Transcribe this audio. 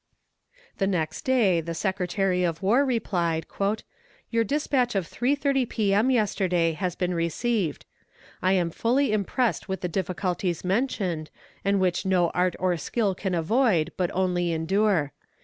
The next day the Secretary of War replied: "Your despatch of 3.30 p. m. yesterday has been received. I am fully impressed with the difficulties mentioned, and which no art or skill can avoid, but only endure.